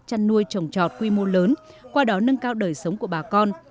chăn nuôi trồng trọt quy mô lớn qua đó nâng cao đời sống của bà con